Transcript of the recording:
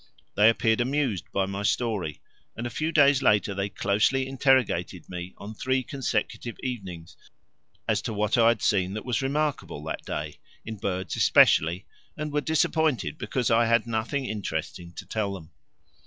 They appeared amused by my story, and a few days later they closely interrogated me on three consecutive evenings as to what I had seen that was remarkable that day, in birds especially, and were disappointed because I had nothing interesting to tell them.